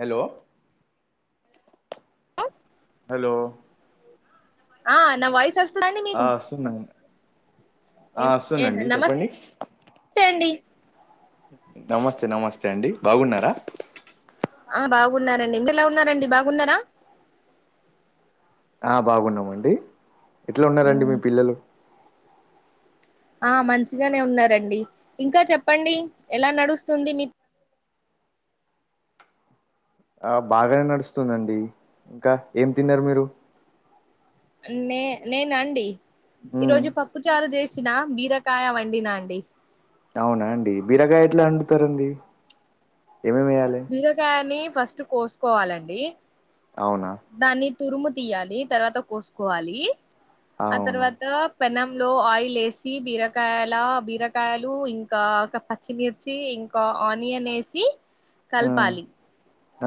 Hello hello ఆ నా voice వస్ ఆ వస్తుందాం ఎం ఎ నమస్తే అండి నమస్తే నమస్తే అండి బాగున్నారా ఆ బాగున్నారండి మీ ఎలా ఉన్నారండి బాగున్నారా ఆ బాగున్నామండి ఎట్లా ఉన్నారండి మీ పిల్లలు ఆ మంచిగానే ఉన్నారండి ఇంకా చెప్పండి ఎలా నడుస్తుంది మీ ఆ బాగానే నడుస్తుందండి ఇంకా ఏం తిన్నారు మీరు నే నేన అండి ఈ ఉమ్ రోజు పప్పుచారు చేసిన బీరకాయ వండినా అండి అవునా అండి బిరకాయ ఎట్లా వండుతారండి ఏమేమి వేయాలి బీరకాయని ఫస్ట్ కోసుకోవాలండి అవునా దాన్ని తురుము తీయాలి తర్వాత కోసుకోవాలి ఆ అవును తర్వాత పెనం లో ఆయిల్ వేసి బీరకాయల బీరకాయలు ఇంకా పచ్చిమిర్చి ఇంకా ఆనియన్ వేసి ఉమ్ కల్పాలి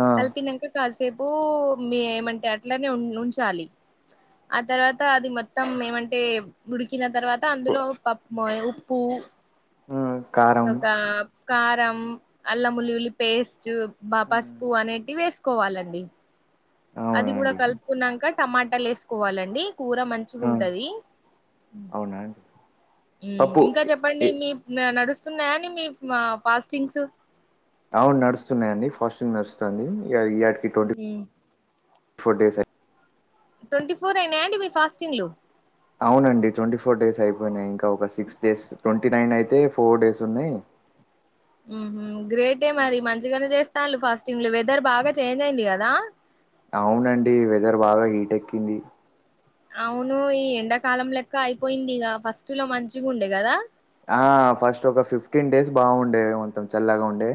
ఆ కలిపినాక కాసేపు మీ ఎమంటే అట్లనే ఉ ఉంచాలి ఆ తర్వాత అది మొత్తం ఏమంటే ఉడికిన తర్వాత కు- అందులో ప ఉప్పు ఆ తరువాత కారం అళ్ళం ఉల్లిల్లి పెస్ట్ జ్ బ ఉమ్, పసుపు అనేటివి వేసుకోవాలండి అది అవునా కూడా అండి కలుపుకునంక టమాటాలు వేసుకోవాలండి కూర మంచిగా ఆ, ఉంటది అవునా అండి పప్పు ఇంకా చెప్పండి ఏ- మీ నడుస్ స్తున్నాయా మీ మ ఫాస్టింగ్స్ అవును నడుస్తున్నాయండి ఫాస్టింగ్ నడుస్తుంది ఇగ ఇయ్యట్ మ్ ఫోర్ డేస్ అయి ట్వంటీ ఫోర్ అయినా అండి మీ ఫాస్టింగ్లు అవునండి ట్వంటీ ఫోర్ డేస్ అయిపోయినాయ్ ఇంకా ఒక సిక్స్ డేస్ ట్వంటీ నైన్ అయితే ఫోర్ డేస్ ఉన్నాయి మ్ హు గ్రేటే మరి మంచిగానే చేస్తాను ఫస్టింగ్ వెదర్ బాగా చేంజ్ అయింది కదా అవునండి వెదర్ బాగా హీట్ ఎక్కింది అవును ఈ ఎండాకాలం లెక్క అయిపోయింది ఇగ ఫస్ట్ లో మంచిగా ఉండే కదా ఆ ఫస్ట్ ఒక ఫిఫ్టీన్ డేస్ బాగుండే కొంచం చల్లగా ఉండే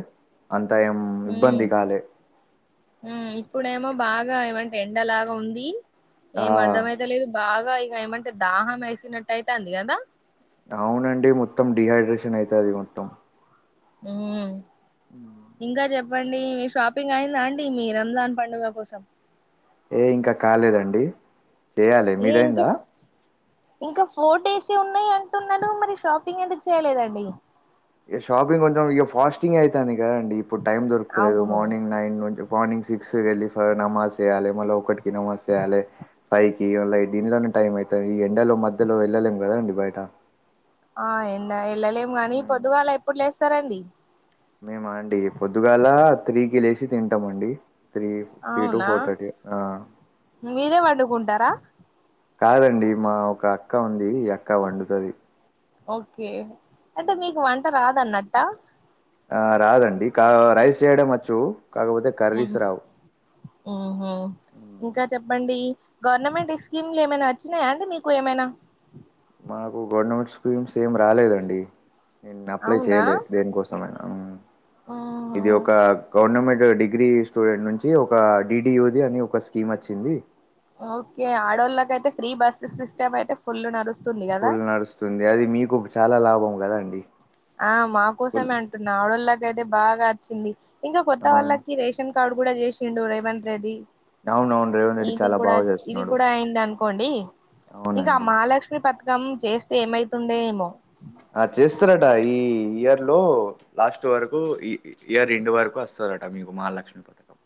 అంత ఏం ఇబ్బంది కాలే హుమ్ ఇప్పుడేమో బాగా ఏమంటే ఎండలాగా ఉంది ఆ! ఏం అర్ధమైత లేదు బాగా ఇగ ఏమంటే దాహం వేసినట్టటు అయితంది కదా అవునండి మొత్తం డిహైడ్రేషన్ అయితది మొత్తం హుమ్ ఇంకా చెప్ ప్పండి మీ షాపింగ్ అయిందా అండి మీ రంజాన్ పండుగ కోసం ఏ ఇంకా కాలేదండి చేయాలి ఏ మీదైంద ఇంకా ఇంకా ఫోర్ డేస్ే ఉన్నాయి అంటున్నారు మరి షాపింగ్ ఎందుకు చేయలేదండి ఇగ షాపింగ్ కొంచెం ఇగ ఫాస్టింగ్ అవుతాంది కదండి ఇప్పుడు టైం దొరుకుతలేదు అవును మార్నింగ్ నైన్ నుంచ్ మార్నింగ్ సిక్స్ వెళ్ళి స నమాజ్ చేయాలి మళ్ళీ ఒకటికి నమాజ్ చేయాలి పైకి అల దీనిలోనే టైం అవుతుంది ఈ ఎండలో మధ్యలో వెళ్ళలేం కదండి బయట ఆ ఎండ వెళ్ళలేము కాని పొద్దుగాలా ఎప్పుడు లేస్తారండి మేమ అండి పొద్దుగాల త్రీ కి లేచి తింటామండి త్రీ త్రీ టు అవునా ఫోర్ థర్టీ ఆ మీరే వండుకుంటారా కాదండి మా ఒక అక్క ఉంది అక్క వండుతది ఓకే అంటతే మీకు వంట రాదన్నట్ట ఆ రాదండి కా రైస్ చేయడం వచ్చు కాకపోతే మ్ కర్రీస్ రావు మ్ హు మ్మ్. ఇంకా చెప్పండి గవర్నమెంట్ స్కీమ్లు ఏమైనా వచ్చినాయా అండి మీకు ఏమైనా నాకు గవర్నమెంట్ స్కీమ్స్ ఏం రాలేదండి నేను అప్లై అవునా చేయలేదు దేనికోసమైనా మ్. ఉహు. ఇది ఒక గవర్నమెంట్ డిగ్రీ స్టూడెంట్ నుంచి ఒక డిడిఓది అని ఒక స్కీమ్ వచ్చింది ఓకే ఆడోళ్ళకైతే ఫ్రీ బస్సు సిస్టమ్ అయితే ఫుల్ న ఫుల్ నడుస్తుంది అది మీకు చాలా లాభం కదాండి ఆ మా కోసమే అంటున్నా ఆవిడళ్ళకైతే బాగా వచ్చింది ఇంకా కొత్త అవును వాళ్ళకి రేషన్ కాడు కూడా చేసిండు రేవంత్ రెడ్డి అవునవును రేవంత్ రెడ్డి ఇది చాలా కూడా బాగా ఇది చేస్తున్నాడు కూడా అయింది అనుకోండి ఇంకా అవునండి మహాలక్ష్మి పథకం చేస్తే ఏమైతుందో ఏమో ఆ చేస్తారట ఈ ఇయర్ లో లాస్ట్ వరకు ఈ ఇయర్ ఎండ్ వరకు వస్తా ట మీకు మహాలక్ష్మి పథకం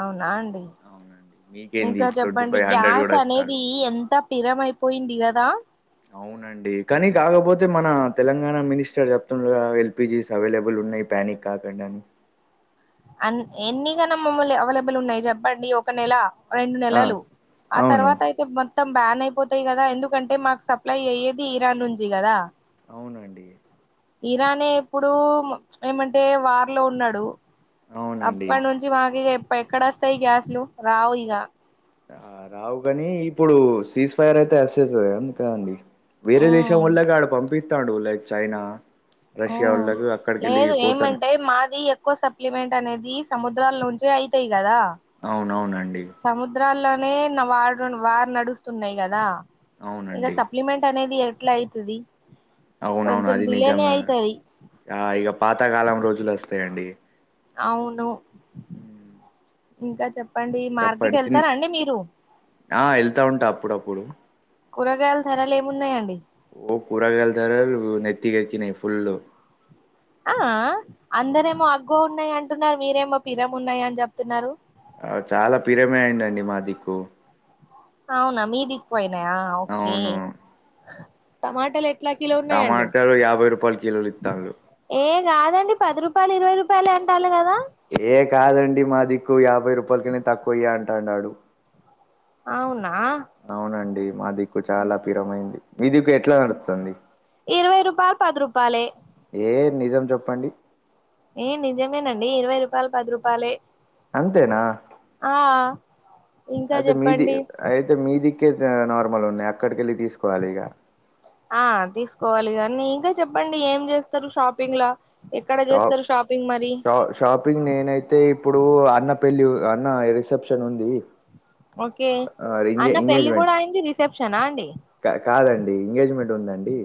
అవునా అం అవునండి మీకేంది ఇంకా ట్వంటీ చెప్పండి ఫైవ్ హండ్రెడ్ గ్యాస్ కూడా ఇస్తాడు అనేది ఎంత పిరమైపోయింది కదా అవునండి కానీ కాకపోతే మన తెలంగాణ మినిస్టర్ చెప్తుండుగా ఎల్పిజీస్ అవైలబుల్ ఉన్నాయి ప్యానిక్ కాకండి అని అ ఎన్ని గానం మమ్మల్ని అవైలబుల్ ఉన్నాయి చెప్పండి ఒక నెల రెండు ఆ! నెలలు ఆ అవును. తర్వాత అయితే మ బ్యాన్ అయిపోతాయి కదా ఎందుకంటే మాకు సప్లై అయ్యేది ఇరాన్ నుంచి కదా అవునండి ఇరానే ఇప్పుడు ఏమంటే వార్ లో ఉన్నాడు అవునండి. అప్పటి నుంచి మాకు ఇగ ఎక్కడ వస్తాయి గ్యాసులు రావు ఇగ రావుగాని ఇప్పుడు సీజ్ ఫైర్ అయితే అసేస్తది అందుకే అండి వేరే దేశం ఉమ్ వల్లగాడు పంపిస్తాడు లైక్ చైనా ఓ రష్యా వోళ్ళకి అక్కడికెళ్ళి లేదు పోతాను. ఏమంటే మాది ఎక్కువ స ప్లిమెంట్ అనేది సముద్రాల నుంచే అయితాయి కదా అవునవునండి సముద్రాల్లోనే వారు వారు నడుస్తున్నాయి కదా ఇగ అవునండి. సప్లిమెంట్ అనేది ఎట్లా అయితది అవునవును కొంచెం అది నిజం డిలేనే అయితది ఆ ఇగా పాతకాలం రోజులు వస్తాయండి అవును మ్ ఇంకా చెప్పండి మార్కెట్ వెళ్తారా అండి మీరు ఆ! ఎళ్తా ఉంటా అప్పుడప్పుడు. కూరగాయల ధరలు ఏమున్నాయండి ఓ కూరగాలుతర నెత్తికేక్కినయ్ ఫుల్ ఆ అందరేమో అగ్గవ ఉన్నాయి అంటున్నారు మీరేమో పిరం ఉన్నాయ అని చెప్తున్నారు చాలా పిరమే అయిందండి మా దిక్కు అవునా మీదిక్కుపోయినాయా ఓకే అవును టమాటలు ఎట్లా కిలో ఉన్నాయండి టమాటాలు యాభై రూపాయల కిలోలు ఇత్తాండ్లు ఏ కాదండి పది రూపాయలు ఇరవై రూపాయలు అంటాల్లు కదా ఏ కాదండి మా దిక్కు యాభై రూపాయలకన్న తక్కువయ్యా అంటు అన్నాడు అవును అవునండి మా దిక్కు చాలా పిరమైంది మీ దిక్కు ఎట్లా నడుస్తంది రూపాయల్ పది రూపాాలే ఏ నిజం చెప్పండి ఏ నిజమేనండి ఇరవై రూపాయలు పది రూపాయలే అంతేనా ఆ ఇంకా అయితే మీది చెప్పండి అయితే మీదిక్కే నార్మల్ ఉన్నాయి అక్కడికి వెెళ్ళి తీసుకోవాలి ఇక ఆ తీసుకోవాలి కానీ ఇంకా చెప్పండి ఏం చేస్తారు షాపింగ్ల షాప్ ష షాపింగ్ నేనైతే ఇప్పుడు అన్న పెళ్ళి అన్న రిసెప్షన్ ఉంది ఓకే ఆ ఎంగే అన్న పెళ్ళి ఎంగేజ్మెంట్ కూడా అయింది రిసెప్షనా అండి కాదండి ఎంగేజ్మెంట్ ఉందండి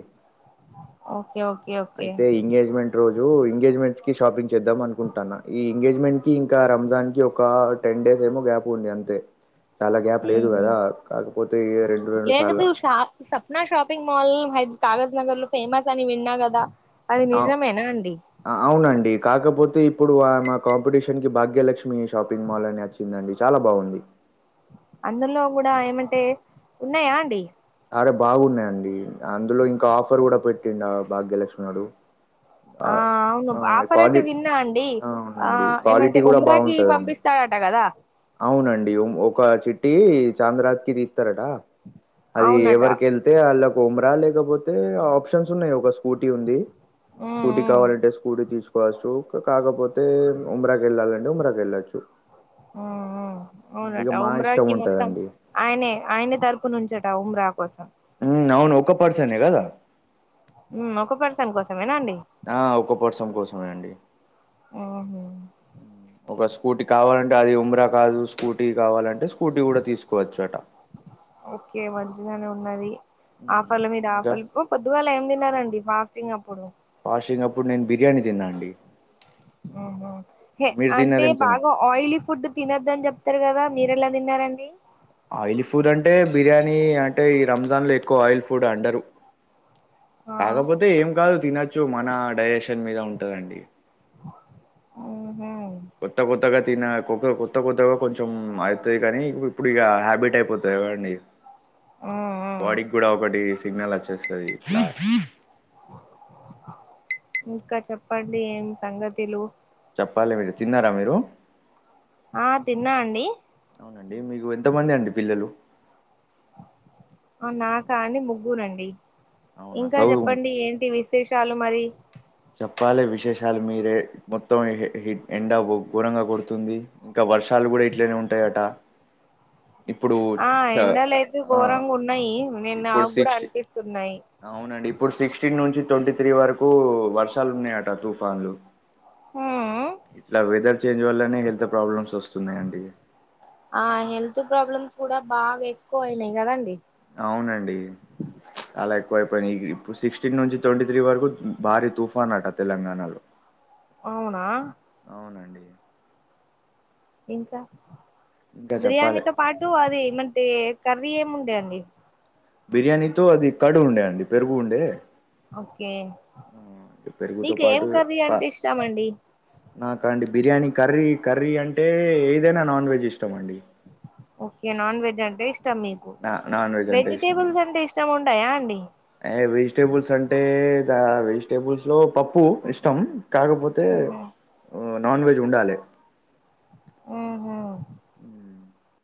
ఓకే ఓకే ఓకే అయితే ఎంగేజ్మెంట్ రోజు ఎంగేజ్మెంట్ కి షాపింగ్ చేద్దాం అకుంటా ఈ ఎంగేజ్మెంట్ కి ఇంకా రంజాన్ కి ఒక టెన్ డేస్ ఏమో గ్యాప ఉంది అంతే చాలా గ్యాప్ లేదు కదా కాకపోతే రెండు రెండు లేక సార్లు చూశిన సప్నా షాపింగ్ మోల్ హైద కాగజ్ నగర్ లో ఫేమస్ అని విన్నా కదా అది ఆ నిజమేనా అండి అవునండి కాకపోతే ఇప్పుడు ఆ మా అపోజిట్కి భాగ్యలక్ష్మి షాపింగ్ మాల్ అని వచ్చిందండి చాలా బాగుంది అందులో కూడా ఏమంటే ఉన్నాయా అండి సరే బాగున్నాయంండి అందులో ఇంకా ఆఫర్ కూడా పెట్టిందాభాగ్యలక్ష్మి గారు ఆ అవును ఆఫర్ అయితే విన్నా అండి ఆ అవునండి క్వాలిటీ ఏమంటే కూడా ఉమ్రాకి బాగుంటదండి పంపిస్తాడు ట్టా కదా అవునండి ఒక చిట్ చాంద్రాతి క తీస్తారట అది అవునట ఎవరికెళ్తే అళ్ళ ఉమరా లే కపోతే ఆప్షన్స్ ఉన్నాయి ఒక స్కూటీ ఉంది ఉమ్ స్కూటీ ఉమ్ కావాలంటే స్కూటీ తీసుకు కోవచ్చు కాకపోతే ఉమరాకి వెళ్ళాలండి ఉమరాకి వెళ్ళచ్చు ఉ అవునట ఇష్టం ఉమ్రాకి మొత్తం ఉంటదండి. ఆయనే ఆయనే తరపు నుంచట ఉమ్రా కోసం నవును ఒక ఒక పర్సన్ ఎ కదా ఉ ఒక పర్సన్ కోసం ఆ ఒక వర్సం కోసమే అండి ఉహు. ఒక స్కూటీ కావాలంటే అది ఉమ్రా కాదు స్కూటీ కావాలంటే స్కూటీ కూడా తీసుకోవచ్చు అట ఓకే మంచిగానే ఉన్నది హ్మ్. ఆపల మీద ఇంకా ఆపలి పొద్దుగాల ఏమి దిన్ రండి ఫాస్టింగ్ అప్పుడు పాషంగ్ అప్పుడు నేను బిర్యానీ తిన్నా అండి హ మీరు అంటే తిన్నరేం తిన బాగా ఆయిలీ ఫుడ్ తినొద్దని చెప్ తస్తారు కదా మీరు ఎలా తిన్నారండి ఆయిలీ ఫుడ్ అంటే బిర్యానీ అంటే ఈ రంజాన్ లో ఎక్కువ ఆయిల్ ఫుడ్ అండరు ఆ కాకపోతే ఏం కాదు తినచ్చు మన డైజెషన్ మీద ఉంటదండి ఊహూ కొత్త కొత్తగా తిన కొ కొత్త కొత్తగా కొంచెం అయితది కానీ ఇప్పుడు ఇగ హ్యాబిట్ అయిపోతాదిగదండి ఆ ఆ బాడీకి కూడా ఒకటి సిగ్నల్ వచ్చేస్తుంది ఇంకా చెప్పండి ఏం సంగతిలు చెప్పాలి మీరు తిన్నారా మీరు ఆ తిన్నా అండి అవునండి మీకు ఎంతమంది అండి పిల్లలు నాకా అండి ముగ్గురండి అవునా ఇంకా చదువు చెప్పండి ఏంటి విశేషాలు మరి చెప్పాలే విశేషాలు మీరే మొత్తం ఎండ ఘోరంగా కొడుతుంది ఇంకా వర్షాలు కూడా ఇట్లనే ఉంటాయట ఇప్పుడు ఆ త- ఎండలు అయితే ఆ ఘోరంగా ఉన్నాయి నేను నాకు కూడా అనిపిస్తున్నాయి అండి ఇప్పుడు సిక్స్టీన్ నుంచి ట్వంటీ త్రీ వరకు వర్షాలు ఉన్నాయట తుఫాన్లు హ్మ్ ఇట్లా వెదర్ చేంజ్ వల్లనే హెల్త్ ప్రాబ్లమ్స్ వస్తు ఆ హెల్త్ ప్రాబ్లమ్స్ కూడా బాగా ఎక్కువ అయినాయి కదండి అవునండి చాలా ఎక్కువ అయిపోయినాయ్ ఇప్పుడు సిక్స్టీన్ నుంచి ట్వంటీ త్రీ వరకు భారీ తుఫాన్ అట తెలంగాణలో అవునా అవునండి ఇంకా ఇంకా చెప్పాలి బిర్యానీతో పాటు అది ఏమంటే కర్రీ ఏముండే అండి బిర్యానీతో అది కార్డ్ ఉండే అండి పెరుగు ఉండే ఓకే పెరుగుతో మీకు ఏం పాటు కర్రీ అంటే ఇష్టం అండి నా కండి బిర్యానీ కర్రీ కర్రీ అంటే ఏదైనా నాన్ వెజ్ ఇష్టమండి ఓకే నాన్ వెజ్ అంటే ఇష్టం మీకు నా నాన్ వెజ్ వెజిటేబుల్స్ అంటే ఇష్టం ఉండయా అండి అ వెజిటేబుల్స్ అంటే దా వెజిటేబుల్స్ లో పప్పు ఇష్టం కాకపోతే ఉహు నాన్ వెజ్ ఉండాలి ఉహు ఉ